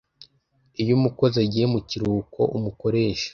Iyo umukozi agiye mu kiruhuko umukoresha